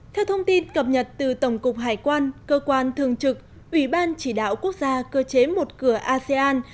theo thông tin cập nhật từ tổng cục hải quan cơ quan thường trực ủy ban chỉ đạo quốc gia cơ chế một cửa asean